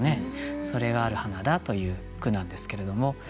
それがある花だという句なんですけれども。